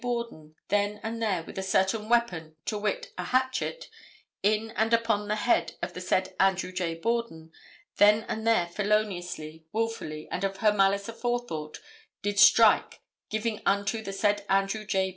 Borden, then and there with a certain weapon, to wit, a hatchet, in and upon the head of the said Andrew J. Borden, then and there feloniously, willfully and of her malice aforethought, did strike, giving unto the said Andrew J.